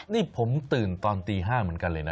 นี่ผมตื่นตอนตี๕เหมือนกันเลยนะ